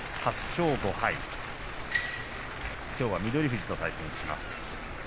８勝５敗きょうは翠富士と対戦します。